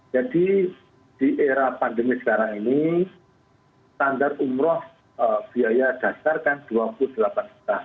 jadi di era pandemi sekarang ini standar umroh biaya dasar kan rp dua puluh delapan